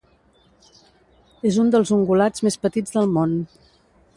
És un dels ungulats més petits del món.